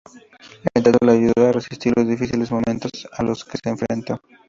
El teatro le ayudó a resistir los difíciles momentos a los que se enfrentó.